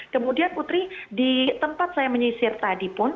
kemudian putri di tempat saya menyisir tadi pun